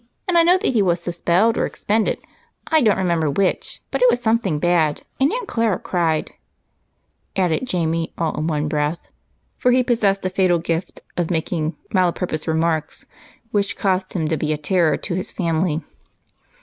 And I know that he was suspelled or expended, I don't remember which, but it was something bad, and Aunt Clara cried," added Jamie all in one breath, for he possessed a fatal gift of making malapropos remarks, which caused him to be a terror to his family.